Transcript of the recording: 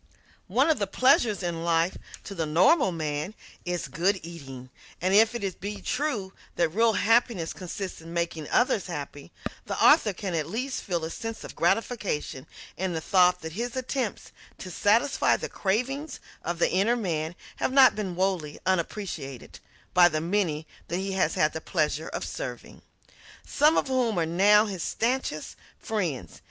One of the pleasures in life to the normal man is good eating, and if it be true that real happiness consists in making others happy, the author can at least feel a sense of gratification in the thought that his attempts to satisfy the cravings of the inner man have not been wholly unappreciated by the many that he has had the pleasure of serving some of whom are now his stanchest friends.